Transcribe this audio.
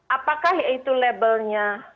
apakah itu labelnya